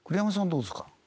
どうですか？